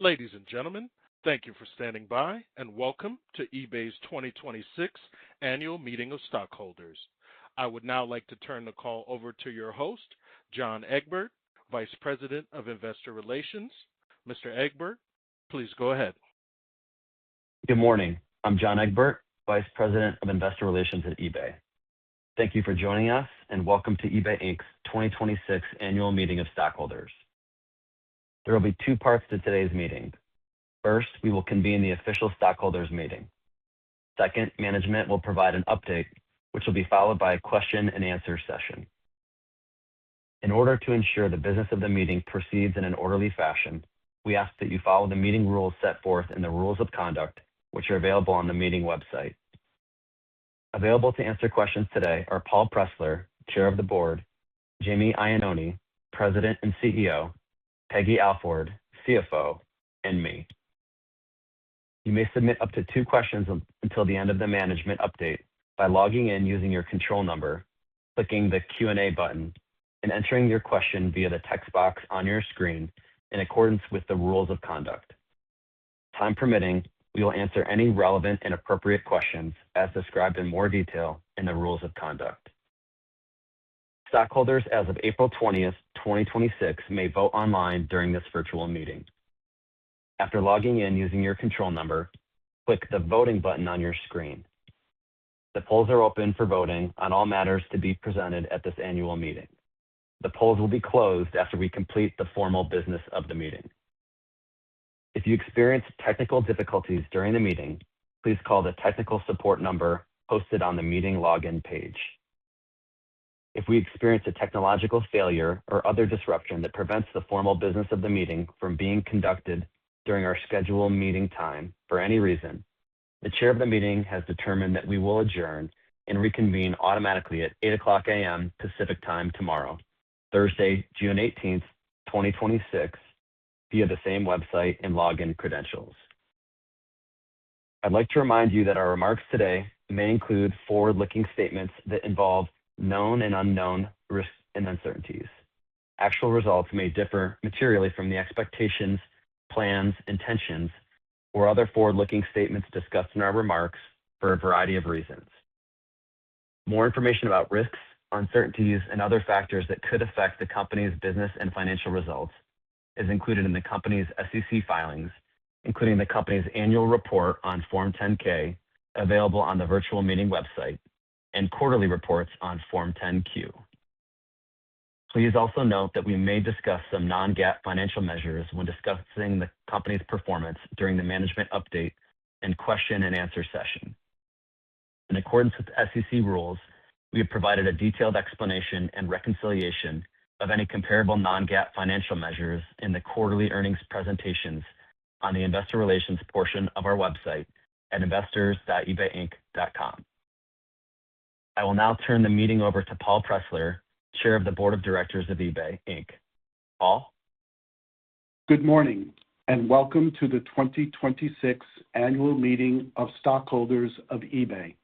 Ladies and gentlemen, thank you for standing by, and welcome to eBay's 2026 Annual Meeting of Stockholders. I would now like to turn the call over to your host, John Egbert, Vice President of Investor Relations. Mr. Egbert, please go ahead. Good morning. I'm John Egbert, Vice President of Investor Relations at eBay. Thank you for joining us, and welcome to eBay Inc.'s 2026 Annual Meeting of Stockholders. There will be two parts to today's meeting. First, we will convene the official stockholders meeting. Second, management will provide an update, which will be followed by a question and answer session. In order to ensure the business of the meeting proceeds in an orderly fashion, we ask that you follow the meeting rules set forth in the rules of conduct, which are available on the meeting website. Available to answer questions today are Paul Pressler, Chair of the Board, Jamie Iannone, President and CEO, Peggy Alford, CFO, and me. You may submit up to two questions until the end of the management update by logging in using your control number, clicking the Q&A button, and entering your question via the text box on your screen in accordance with the rules of conduct. Time permitting, we will answer any relevant and appropriate questions as described in more detail in the rules of conduct. Stockholders as of April 20th, 2026, may vote online during this virtual meeting. After logging in using your control number, click the Voting button on your screen. The polls are open for voting on all matters to be presented at this annual meeting. The polls will be closed after we complete the formal business of the meeting. If you experience technical difficulties during the meeting, please call the technical support number posted on the meeting login page. If we experience a technological failure or other disruption that prevents the formal business of the meeting from being conducted during our scheduled meeting time for any reason, the chair of the meeting has determined that we will adjourn and reconvene automatically at 8:00 A.M. Pacific Time tomorrow, Thursday, June 18th, 2026, via the same website and login credentials. I'd like to remind you that our remarks today may include forward-looking statements that involve known and unknown risks and uncertainties. Actual results may differ materially from the expectations, plans, intentions, or other forward-looking statements discussed in our remarks for a variety of reasons. More information about risks, uncertainties, and other factors that could affect the company's business and financial results is included in the company's SEC filings, including the company's annual report on Form 10-K, available on the virtual meeting website, and quarterly reports on Form 10-Q. Please also note that we may discuss some non-GAAP financial measures when discussing the company's performance during the management update and question and answer session. In accordance with SEC rules, we have provided a detailed explanation and reconciliation of any comparable non-GAAP financial measures in the quarterly earnings presentations on the investor relations portion of our website at investors.ebayinc.com. I will now turn the meeting over to Paul Pressler, Chair of the Board of Directors of eBay Inc. Paul? Good morning, welcome to the 2026 Annual Meeting of Stockholders of eBay.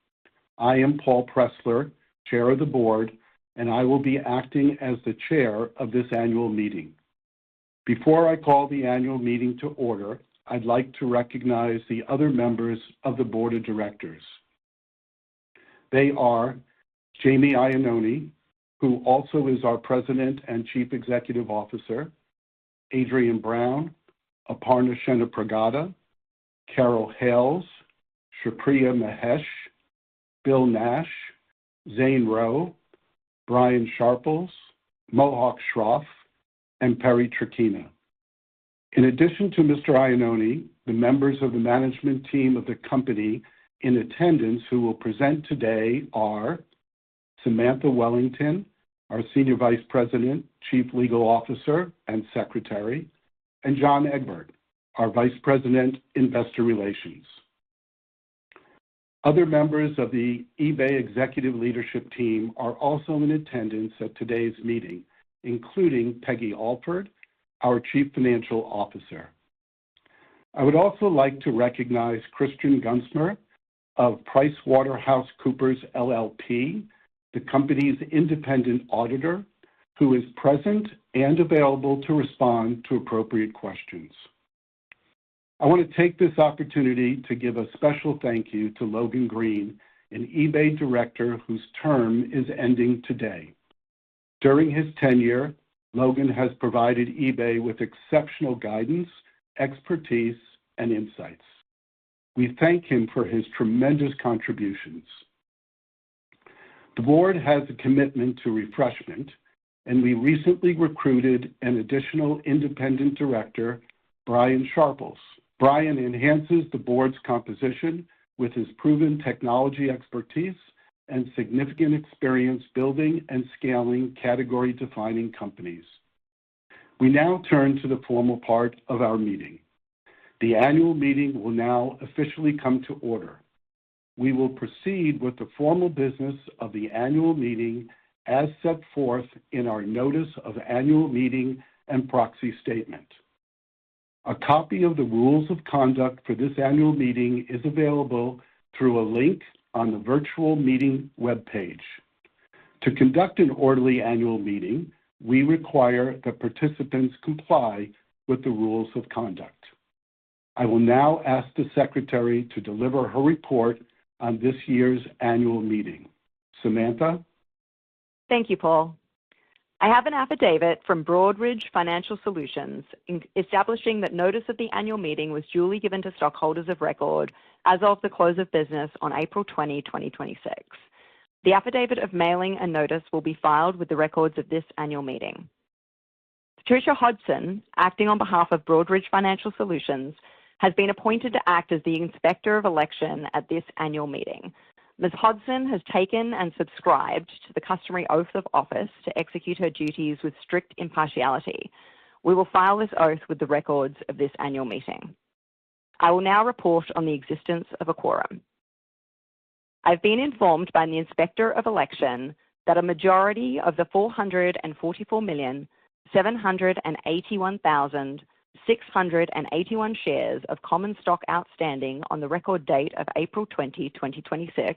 I am Paul Pressler, Chair of the Board, and I will be acting as the chair of this annual meeting. Before I call the annual meeting to order, I'd like to recognize the other members of the board of directors. They are Jamie Iannone, who also is our President and Chief Executive Officer, Adriane Brown, Aparna Chennapragada, Carol Hayles, Shripriya Mahesh, Bill Nash, Zane Rowe, Brian Sharples, Mohak Shroff, and Perry Traquina. In addition to Mr. Iannone, the members of the management team of the company in attendance who will present today are Samantha Wellington, our Senior Vice President, Chief Legal Officer, and Secretary, and John Egbert, our Vice President, Investor Relations. Other members of the eBay executive leadership team are also in attendance at today's meeting, including Peggy Alford, our Chief Financial Officer. I would also like to recognize Christian Gunstmer of PricewaterhouseCoopers LLP, the company's independent auditor, who is present and available to respond to appropriate questions. I want to take this opportunity to give a special thank you to Logan Green, an eBay director whose term is ending today. During his tenure, Logan has provided eBay with exceptional guidance, expertise, and insights. We thank him for his tremendous contributions. The board has a commitment to refreshment, we recently recruited an additional independent director, Brian Sharples. Brian enhances the board's composition with his proven technology expertise and significant experience building and scaling category-defining companies. We now turn to the formal part of our meeting. The annual meeting will now officially come to order. We will proceed with the formal business of the annual meeting as set forth in our notice of annual meeting and proxy statement. A copy of the rules of conduct for this annual meeting is available through a link on the virtual meeting webpage. To conduct an orderly annual meeting, we require that participants comply with the rules of conduct. I will now ask the secretary to deliver her report on this year's annual meeting. Samantha? Thank you, Paul. I have an affidavit from Broadridge Financial Solutions establishing that notice of the annual meeting was duly given to stockholders of record as of the close of business on April 20, 2026. The affidavit of mailing and notice will be filed with the records of this annual meeting. Patricia Hodson, acting on behalf of Broadridge Financial Solutions, has been appointed to act as the Inspector of Election at this annual meeting. Ms. Hodson has taken and subscribed to the customary oath of office to execute her duties with strict impartiality. We will file this oath with the records of this annual meeting. I will now report on the existence of a quorum. I've been informed by the Inspector of Election that a majority of the 444,781,681 shares of common stock outstanding on the record date of April 20, 2026,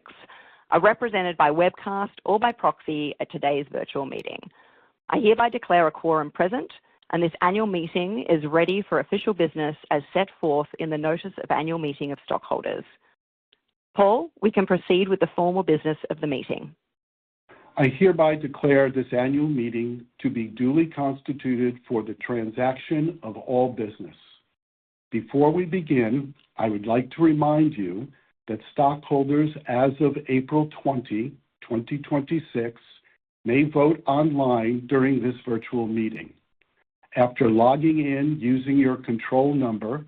are represented by webcast or by proxy at today's virtual meeting. I hereby declare a quorum present, and this annual meeting is ready for official business as set forth in the notice of annual meeting of stockholders. Paul, we can proceed with the formal business of the meeting. I hereby declare this annual meeting to be duly constituted for the transaction of all business. Before we begin, I would like to remind you that stockholders as of April 20, 2026, may vote online during this virtual meeting. After logging in using your control number,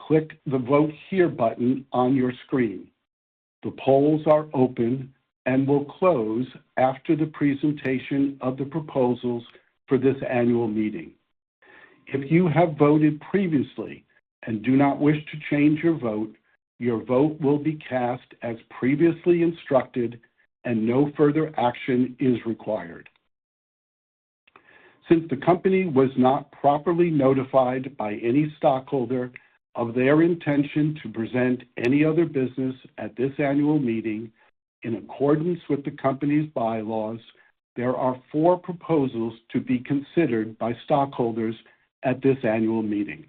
click the Vote Here button on your screen. The polls are open and will close after the presentation of the proposals for this annual meeting. If you have voted previously and do not wish to change your vote, your vote will be cast as previously instructed and no further action is required. Since the company was not properly notified by any stockholder of their intention to present any other business at this annual meeting, in accordance with the company's bylaws, there are four proposals to be considered by stockholders at this annual meeting.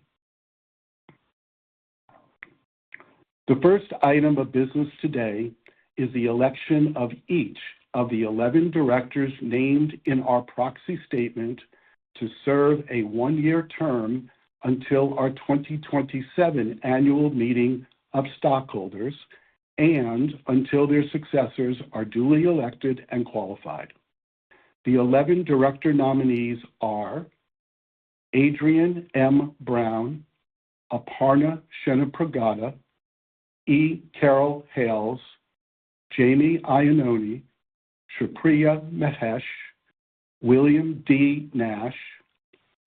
The first item of business today is the election of each of the 11 directors named in our proxy statement to serve a one-year term until our 2027 annual meeting of stockholders, and until their successors are duly elected and qualified. The 11 director nominees are Adriane M. Brown, Aparna Chennapragada, E. Carol Hayles, Jamie Iannone, Shripriya Mahesh, William D. Nash,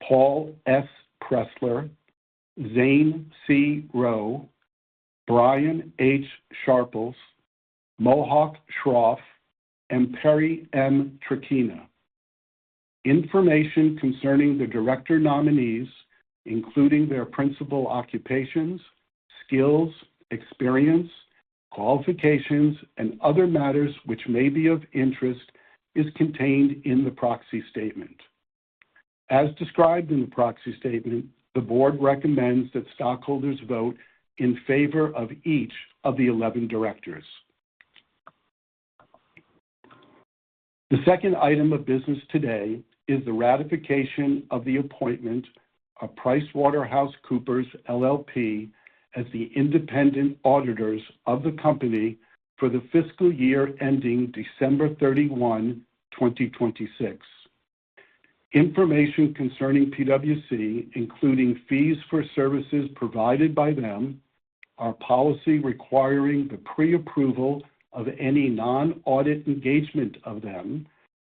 Paul S. Pressler, Zane C. Rowe, Brian H. Sharples, Mohak Shroff, and Perry M. Traquina. Information concerning the director nominees, including their principal occupations, skills, experience, qualifications, and other matters which may be of interest, is contained in the proxy statement. As described in the proxy statement, the board recommends that stockholders vote in favor of each of the 11 directors. The second item of business today is the ratification of the appointment of PricewaterhouseCoopers LLP as the independent auditors of the company for the fiscal year ending December 31, 2026. Information concerning PwC, including fees for services provided by them, our policy requiring the pre-approval of any non-audit engagement of them,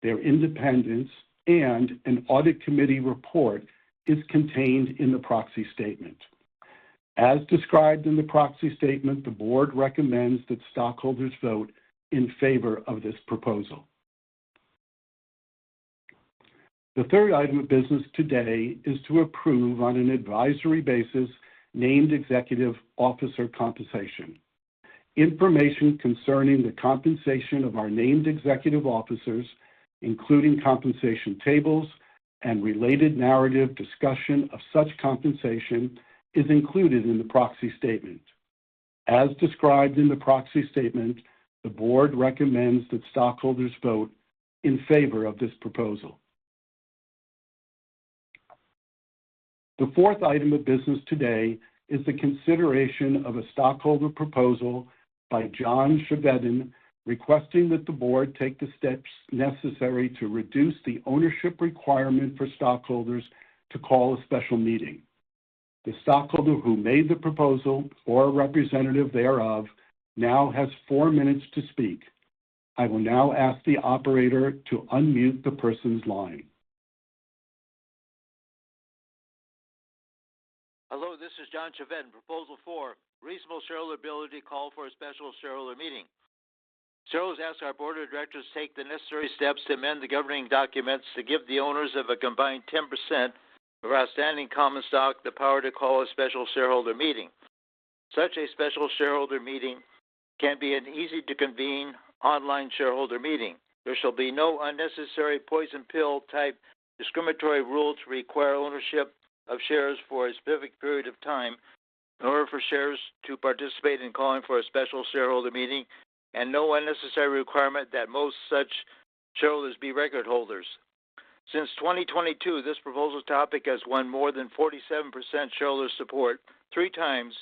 their independence, and an audit committee report is contained in the proxy statement. As described in the proxy statement, the board recommends that stockholders vote in favor of this proposal. The third item of business today is to approve, on an advisory basis, named executive officer compensation. Information concerning the compensation of our named executive officers, including compensation tables and related narrative discussion of such compensation, is included in the proxy statement. As described in the proxy statement, the board recommends that stockholders vote in favor of this proposal. The fourth item of business today is the consideration of a stockholder proposal by John Chevedden, requesting that the board take the steps necessary to reduce the ownership requirement for stockholders to call a special meeting. The stockholder who made the proposal, or a representative thereof, now has four minutes to speak. I will now ask the operator to unmute the person's line. Hello, this is John Chevedden, proposal four, reasonable shareholder ability call for a special shareholder meeting. Shareholders ask our board of directors to take the necessary steps to amend the governing documents to give the owners of a combined 10% of outstanding common stock the power to call a special shareholder meeting. Such a special shareholder meeting can be an easy to convene online shareholder meeting. There shall be no unnecessary poison pill type discriminatory rule to require ownership of shares for a specific period of time in order for shares to participate in calling for a special shareholder meeting, and no unnecessary requirement that most such shareholders be record holders. Since 2022, this proposal topic has won more than 47% shareholder support three times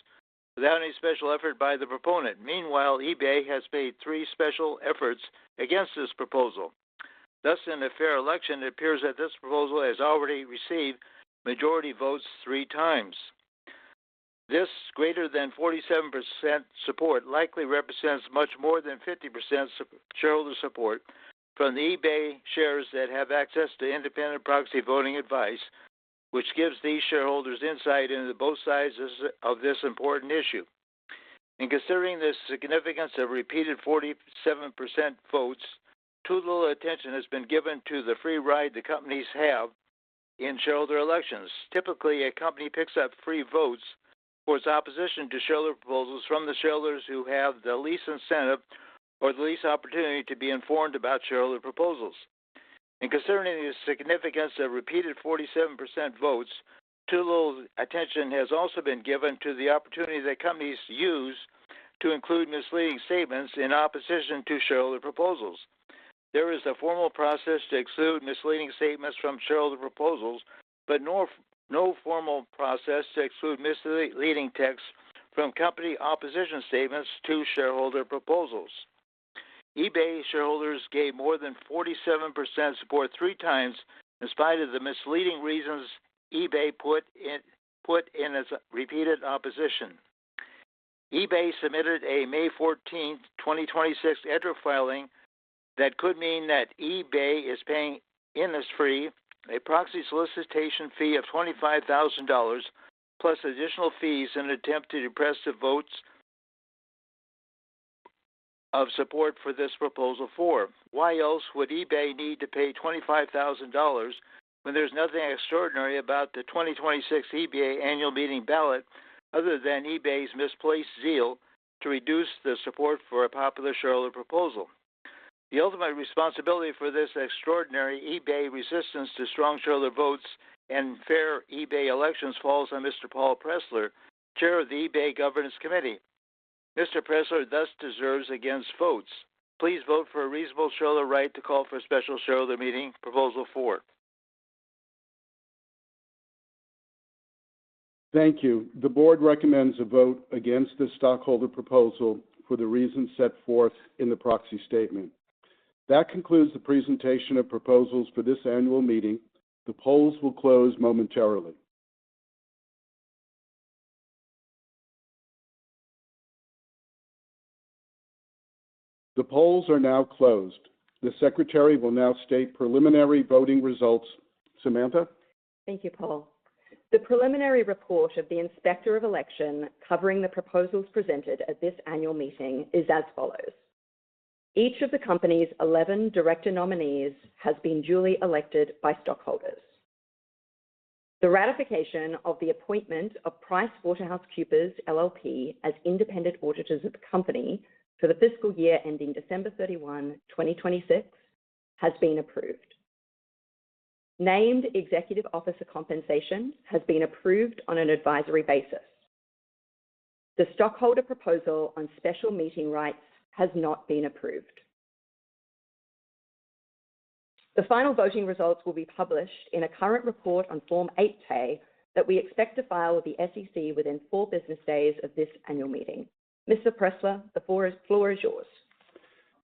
without any special effort by the proponent. Meanwhile, eBay has made three special efforts against this proposal. In a fair election, it appears that this proposal has already received majority votes three times. This greater than 47% support likely represents much more than 50% shareholder support from the eBay shares that have access to independent proxy voting advice, which gives these shareholders insight into both sides of this important issue. In considering the significance of repeated 47% votes, too little attention has been given to the free ride the companies have in shareholder elections. Typically, a company picks up free votes for its opposition to shareholder proposals from the shareholders who have the least incentive or the least opportunity to be informed about shareholder proposals. In considering the significance of repeated 47% votes, too little attention has also been given to the opportunity that companies use to include misleading statements in opposition to shareholder proposals. There is a formal process to exclude misleading statements from shareholder proposals. No formal process to exclude misleading text from company opposition statements to shareholder proposals. eBay shareholders gave more than 47% support three times in spite of the misleading reasons eBay put in as repeated opposition. eBay submitted a May 14, 2026, EDGAR filing that could mean that eBay is paying Innisfree a proxy solicitation fee of $25,000 plus additional fees in an attempt to depress the votes of support for this Proposal Four. Why else would eBay need to pay $25,000 when there's nothing extraordinary about the 2026 eBay annual meeting ballot other than eBay's misplaced zeal to reduce the support for a popular shareholder proposal? The ultimate responsibility for this extraordinary eBay resistance to strong shareholder votes and fair eBay elections falls on Mr. Paul Pressler, Chair of the eBay Governance Committee. Mr. Pressler thus deserves against votes. Please vote for a reasonable shareholder right to call for a special shareholder meeting, Proposal Four. Thank you. The board recommends a vote against the stockholder proposal for the reasons set forth in the proxy statement. That concludes the presentation of proposals for this annual meeting. The polls will close momentarily. The polls are now closed. The secretary will now state preliminary voting results. Samantha? Thank you, Paul. The preliminary report of the Inspector of Election covering the proposals presented at this annual meeting is as follows. Each of the company's 11 director nominees has been duly elected by stockholders. The ratification of the appointment of PricewaterhouseCoopers LLP, as independent auditors of the company for the fiscal year ending December 31, 2026, has been approved. Named Executive Officer compensation has been approved on an advisory basis. The stockholder proposal on special meeting rights has not been approved. The final voting results will be published in a current report on Form 8-K that we expect to file with the SEC within four business days of this annual meeting. Mr. Pressler, the floor is yours.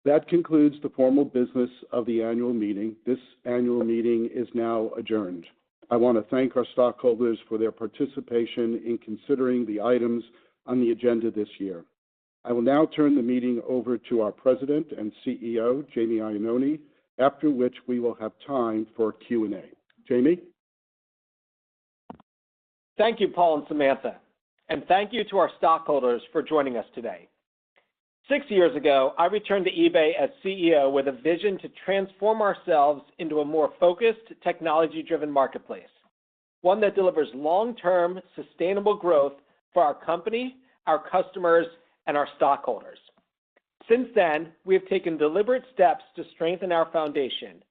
That concludes the formal business of the annual meeting. This annual meeting is now adjourned. I want to thank our stockholders for their participation in considering the items on the agenda this year. I will now turn the meeting over to our President and CEO, Jamie Iannone, after which we will have time for Q&A. Jamie? Thank you, Paul and Samantha. Thank you to our stockholders for joining us today. Six years ago, I returned to eBay as CEO with a vision to transform ourselves into a more focused, technology-driven marketplace, one that delivers long-term sustainable growth for our company, our customers, and our stockholders. Since then, we have taken deliberate steps to strengthen our foundation,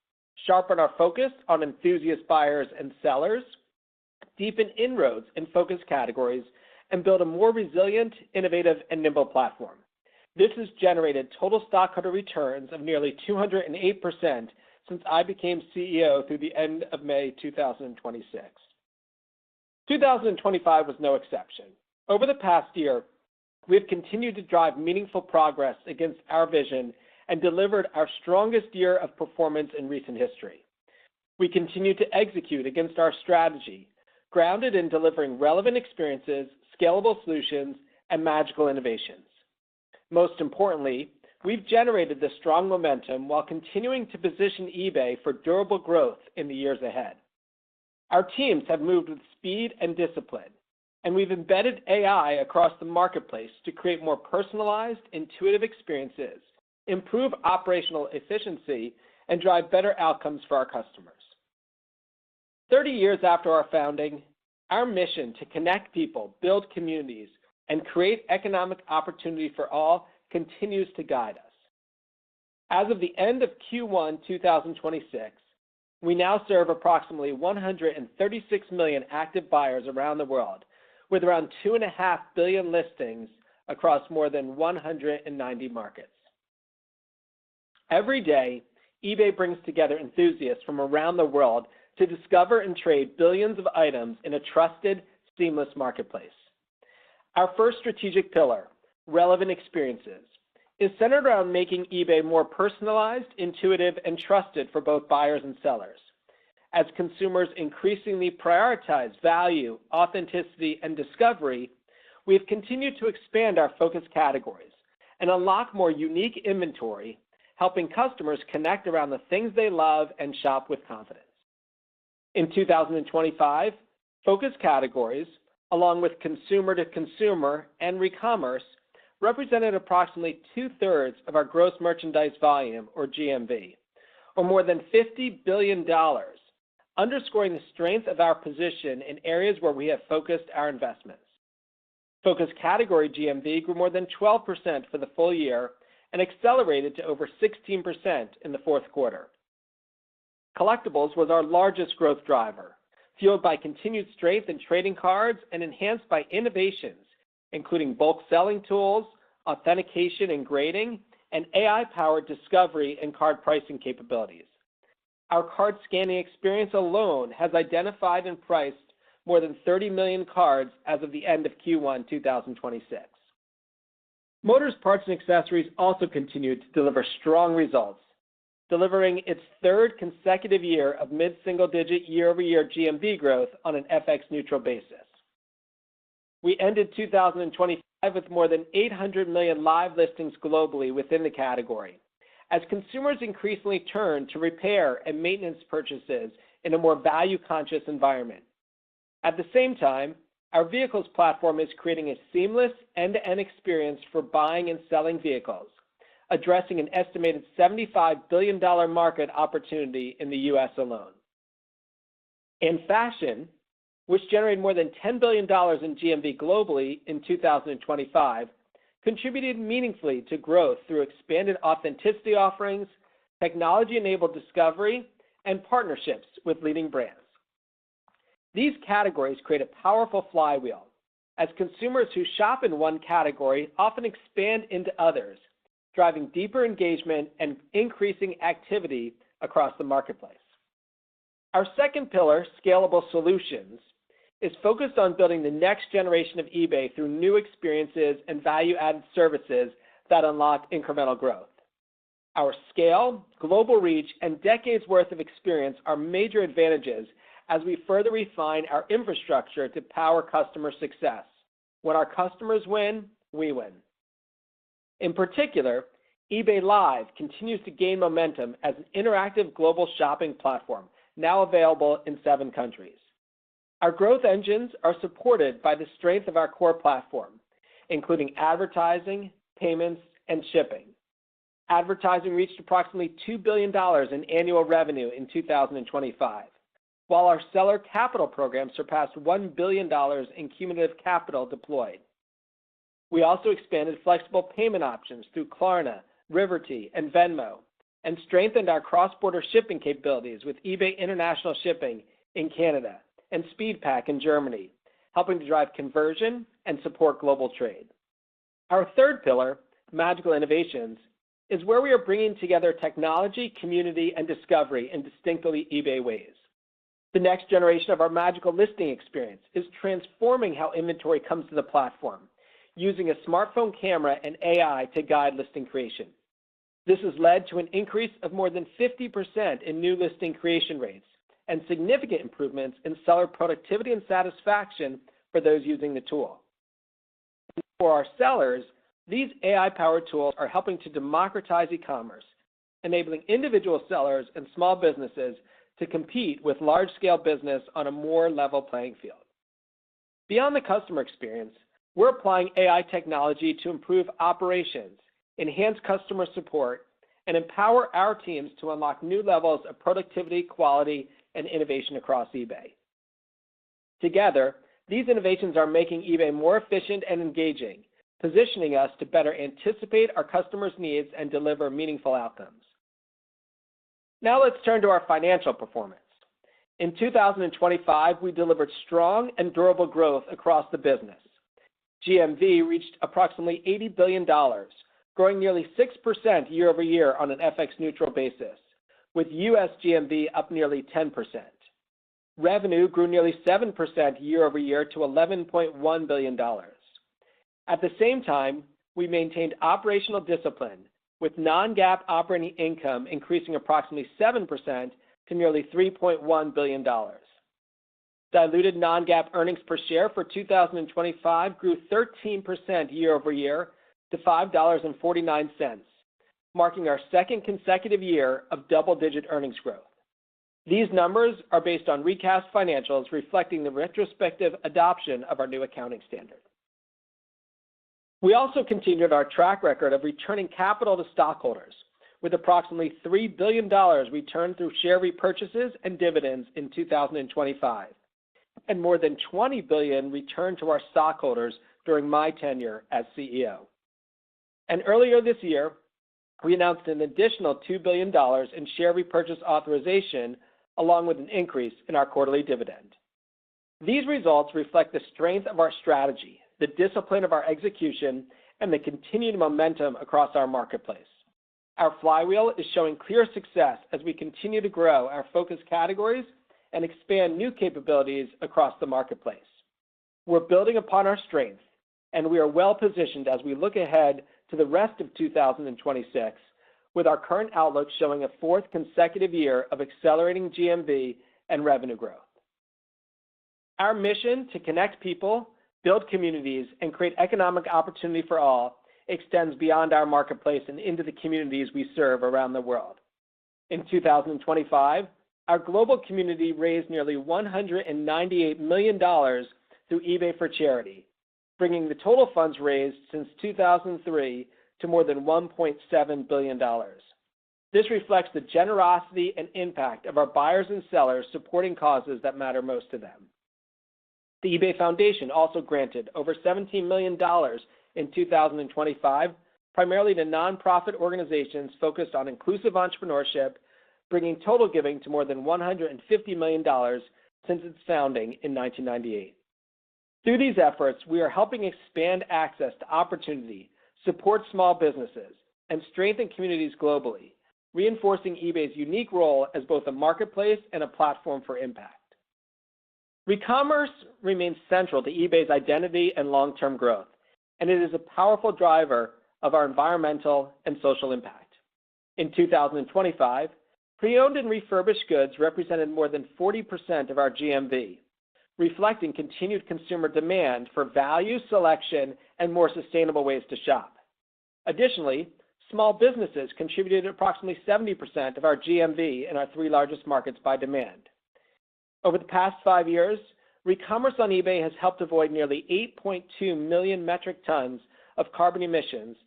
sharpen our focus on enthusiast buyers and sellers, deepen inroads in focus categories, and build a more resilient, innovative, and nimble platform. This has generated total stockholder returns of nearly 208% since I became CEO through the end of May 2026. 2025 was no exception. Over the past year, we have continued to drive meaningful progress against our vision and delivered our strongest year of performance in recent history. We continue to execute against our strategy, grounded in delivering relevant experiences, scalable solutions, and magical innovations. Most importantly, we've generated the strong momentum while continuing to position eBay for durable growth in the years ahead. Our teams have moved with speed and discipline. We've embedded AI across the marketplace to create more personalized, intuitive experiences, improve operational efficiency, and drive better outcomes for our customers. 30 years after our founding, our mission to connect people, build communities, and create economic opportunity for all continues to guide us. As of the end of Q1 2026, we now serve approximately 136 million active buyers around the world, with around 2.5 billion listings across more than 190 markets. Every day, eBay brings together enthusiasts from around the world to discover and trade billions of items in a trusted, seamless marketplace. Our first strategic pillar, relevant experiences, is centered around making eBay more personalized, intuitive, and trusted for both buyers and sellers. As consumers increasingly prioritize value, authenticity, and discovery, we have continued to expand our focus categories and unlock more unique inventory, helping customers connect around the things they love and shop with confidence. In 2025, focus categories, along with consumer to consumer and recommerce, represented approximately two-thirds of our gross merchandise volume, or GMV, or more than $50 billion, underscoring the strength of our position in areas where we have focused our investments. Focus category GMV grew more than 12% for the full year and accelerated to over 16% in the fourth quarter. Collectibles was our largest growth driver, fueled by continued strength in trading cards and enhanced by innovations including bulk selling tools, authentication and grading, and AI-powered discovery and card pricing capabilities. Our card scanning experience alone has identified and priced more than 30 million cards as of the end of Q1 2026. Motors parts and accessories also continued to deliver strong results, delivering its third consecutive year of mid-single-digit year-over-year GMV growth on an FX neutral basis. We ended 2025 with more than 800 million live listings globally within the category, as consumers increasingly turn to repair and maintenance purchases in a more value-conscious environment. At the same time, our vehicles platform is creating a seamless end-to-end experience for buying and selling vehicles, addressing an estimated $75 billion market opportunity in the U.S. alone. In fashion, which generated more than $10 billion in GMV globally in 2025, contributed meaningfully to growth through expanded authenticity offerings, technology-enabled discovery, and partnerships with leading brands. These categories create a powerful flywheel as consumers who shop in one category often expand into others, driving deeper engagement and increasing activity across the marketplace. Our second pillar, scalable solutions, is focused on building the next generation of eBay through new experiences and value-added services that unlock incremental growth. Our scale, global reach, and decades worth of experience are major advantages as we further refine our infrastructure to power customer success. When our customers win, we win. In particular, eBay Live continues to gain momentum as an interactive global shopping platform now available in seven countries. Our growth engines are supported by the strength of our core platform, including advertising, payments, and shipping. Advertising reached approximately $2 billion in annual revenue in 2025. Our seller capital program surpassed $1 billion in cumulative capital deployed. We also expanded flexible payment options through Klarna, Riverty, and Venmo, and strengthened our cross-border shipping capabilities with eBay International Shipping in Canada and SpeedPAK in Germany, helping to drive conversion and support global trade. Our third pillar, magical innovations, is where we are bringing together technology, community, and discovery in distinctly eBay ways. The next generation of our Magical Listing experience is transforming how inventory comes to the platform, using a smartphone camera and AI to guide listing creation. This has led to an increase of more than 50% in new listing creation rates and significant improvements in seller productivity and satisfaction for those using the tool. For our sellers, these AI-powered tools are helping to democratize e-commerce, enabling individual sellers and small businesses to compete with large-scale business on a more level playing field. Beyond the customer experience, we're applying AI technology to improve operations, enhance customer support, and empower our teams to unlock new levels of productivity, quality, and innovation across eBay. Together, these innovations are making eBay more efficient and engaging, positioning us to better anticipate our customers' needs and deliver meaningful outcomes. Now let's turn to our financial performance. In 2025, we delivered strong and durable growth across the business. GMV reached approximately $80 billion, growing nearly 6% year-over-year on an FX neutral basis, with U.S. GMV up nearly 10%. Revenue grew nearly 7% year-over-year to $11.1 billion. At the same time, we maintained operational discipline with non-GAAP operating income increasing approximately 7% to nearly $3.1 billion. Diluted non-GAAP earnings per share for 2025 grew 13% year-over-year to $5.49, marking our second consecutive year of double-digit earnings growth. These numbers are based on recast financials reflecting the retrospective adoption of our new accounting standard. We also continued our track record of returning capital to stockholders with approximately $3 billion returned through share repurchases and dividends in 2025, and more than $20 billion returned to our stockholders during my tenure as CEO. Earlier this year, we announced an additional $2 billion in share repurchase authorization, along with an increase in our quarterly dividend. These results reflect the strength of our strategy, the discipline of our execution, and the continued momentum across our marketplace. Our flywheel is showing clear success as we continue to grow our focus categories and expand new capabilities across the marketplace. We're building upon our strengths, and we are well-positioned as we look ahead to the rest of 2026, with our current outlook showing a fourth consecutive year of accelerating GMV and revenue growth. Our mission to connect people, build communities, and create economic opportunity for all extends beyond our marketplace and into the communities we serve around the world. In 2025, our global community raised nearly $198 million through eBay for Charity, bringing the total funds raised since 2003 to more than $1.7 billion. This reflects the generosity and impact of our buyers and sellers supporting causes that matter most to them. The eBay Foundation also granted over $17 million in 2025, primarily to nonprofit organizations focused on inclusive entrepreneurship, bringing total giving to more than $150 million since its founding in 1998. Through these efforts, we are helping expand access to opportunity, support small businesses, and strengthen communities globally, reinforcing eBay's unique role as both a marketplace and a platform for impact. Recommerce remains central to eBay's identity and long-term growth, and it is a powerful driver of our environmental and social impact. In 2025, pre-owned and refurbished goods represented more than 40% of our GMV, reflecting continued consumer demand for value, selection, and more sustainable ways to shop. Additionally, small businesses contributed approximately 70% of our GMV in our three largest markets by demand. Over the past five years, recommerce on eBay has helped avoid nearly 8.2 million metric tons of carbon emissions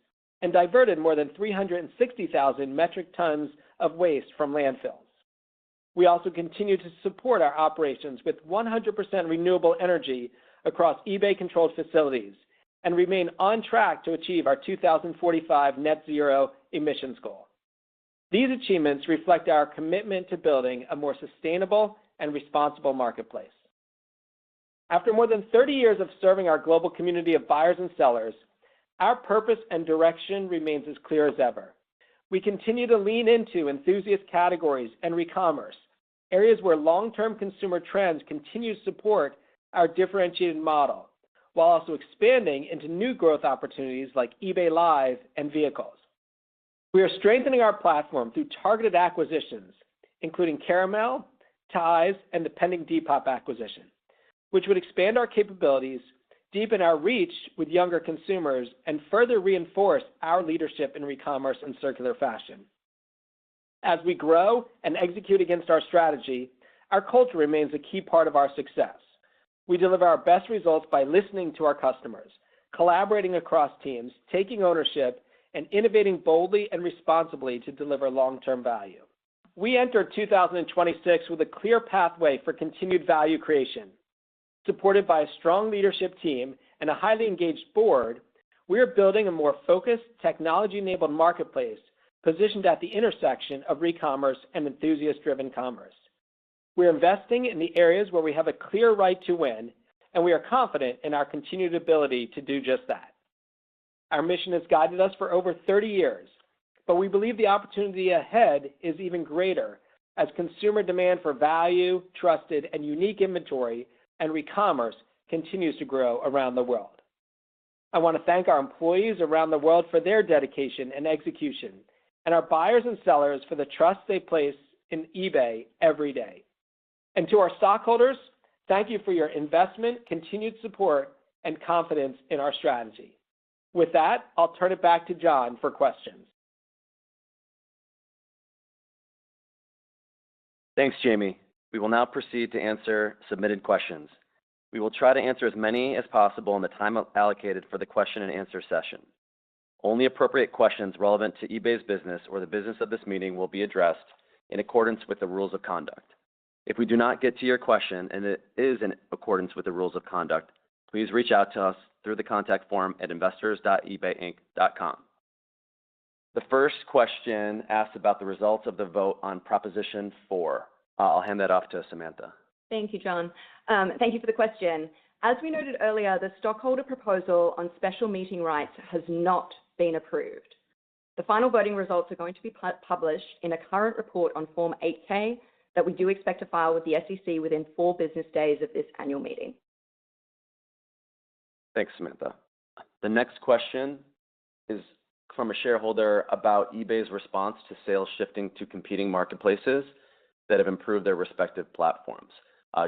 and diverted more than 360,000 metric tons of waste from landfills. We also continue to support our operations with 100% renewable energy across eBay-controlled facilities and remain on track to achieve our 2045 net zero emissions goal. These achievements reflect our commitment to building a more sustainable and responsible marketplace. After more than 30 years of serving our global community of buyers and sellers, our purpose and direction remains as clear as ever. We continue to lean into enthusiast categories and recommerce, areas where long-term consumer trends continue to support our differentiated model, while also expanding into new growth opportunities like eBay Live and Vehicles. We are strengthening our platform through targeted acquisitions, including Caramel, Tise, and the pending Depop acquisition, which would expand our capabilities, deepen our reach with younger consumers, and further reinforce our leadership in recommerce and circular fashion. As we grow and execute against our strategy, our culture remains a key part of our success. We deliver our best results by listening to our customers, collaborating across teams, taking ownership, and innovating boldly and responsibly to deliver long-term value. We enter 2026 with a clear pathway for continued value creation. Supported by a strong leadership team and a highly engaged board, we are building a more focused, technology-enabled marketplace positioned at the intersection of recommerce and enthusiast-driven commerce. We're investing in the areas where we have a clear right to win, and we are confident in our continued ability to do just that. Our mission has guided us for over 30 years, but we believe the opportunity ahead is even greater as consumer demand for value, trusted, and unique inventory and recommerce continues to grow around the world. I want to thank our employees around the world for their dedication and execution, and our buyers and sellers for the trust they place in eBay every day. To our stockholders, thank you for your investment, continued support, and confidence in our strategy. With that, I'll turn it back to John for questions. Thanks, Jamie. We will now proceed to answer submitted questions. We will try to answer as many as possible in the time allocated for the question and answer session. Only appropriate questions relevant to eBay's business or the business of this meeting will be addressed in accordance with the rules of conduct. If we do not get to your question and it is in accordance with the rules of conduct, please reach out to us through the contact form at investors.ebayinc.com. The first question asks about the results of the vote on Proposal four. I'll hand that off to Samantha. Thank you, John. Thank you for the question. As we noted earlier, the stockholder proposal on special meeting rights has not been approved. The final voting results are going to be published in a current report on Form 8-K that we do expect to file with the SEC within four business days of this annual meeting. Thanks, Samantha. The next question is from a shareholder about eBay's response to sales shifting to competing marketplaces that have improved their respective platforms.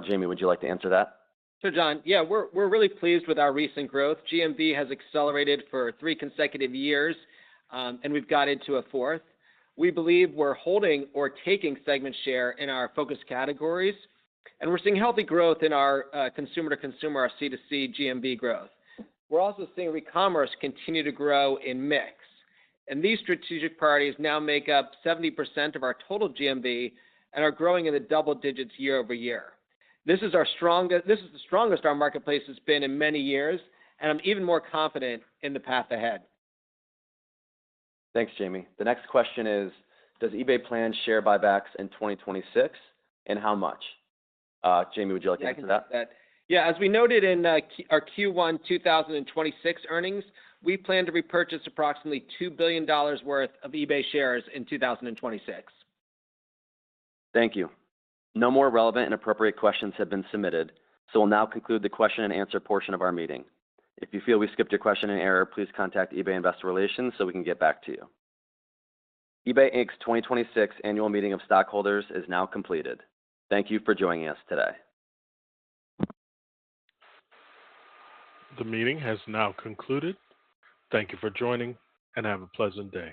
Jamie, would you like to answer that? Sure, John. We're really pleased with our recent growth. GMV has accelerated for three consecutive years, and we've got into a fourth. We believe we're holding or taking segment share in our focus categories, and we're seeing healthy growth in our consumer-to-consumer, our C2C GMV growth. We're also seeing recommerce continue to grow in mix, and these strategic priorities now make up 70% of our total GMV and are growing in the double digits year-over-year. This is the strongest our marketplace has been in many years, and I'm even more confident in the path ahead. Thanks, Jamie. The next question is, does eBay plan share buybacks in 2026, and how much? Jamie, would you like to answer that? I can take that. As we noted in our Q1 2026 earnings, we plan to repurchase approximately $2 billion worth of eBay shares in 2026. Thank you. No more relevant and appropriate questions have been submitted, we'll now conclude the question and answer portion of our meeting. If you feel we skipped your question in error, please contact eBay Investor Relations so we can get back to you. eBay Inc.'s 2026 Annual Meeting of Stockholders is now completed. Thank you for joining us today. The meeting has now concluded. Thank you for joining, and have a pleasant day.